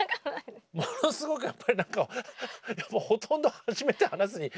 ものすごくやっぱり何かほとんど初めて話すに近いですもんね。